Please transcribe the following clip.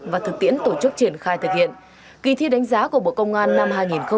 và thực tiễn tổ chức triển khai thực hiện kỳ thi đánh giá của bộ công an năm hai nghìn hai mươi ba